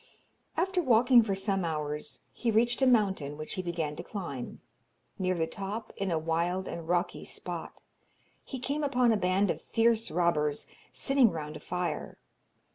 After walking for some hours he reached a mountain, which he began to climb. Near the top, in a wild and rocky spot, he came upon a band of fierce robbers, sitting round a fire.